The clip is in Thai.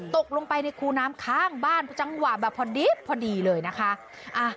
ตกลงไปในคูน้ำข้างบ้านจังหวะแบบพอดีพอดีเลยนะคะ